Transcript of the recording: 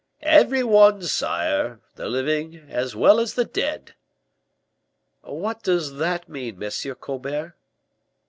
"Every one, sire; the living as well as the dead." "What does that mean, Monsieur Colbert?"